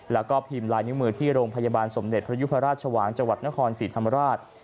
แล้วก็พิมพ์ลายนิ้วมือที่โรงพยาบาลสมเด็จพระยุพราชชวางจังหวัดนครศรีธรรมราช